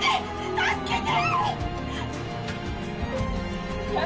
助けて！